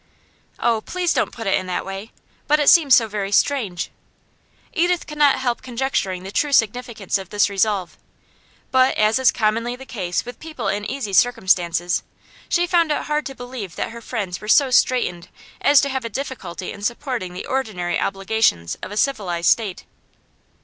'Oh, please don't put it in that way! But it seems so very strange.' Edith could not help conjecturing the true significance of this resolve. But, as is commonly the case with people in easy circumstances, she found it hard to believe that her friends were so straitened as to have a difficulty in supporting the ordinary obligations of a civilised state.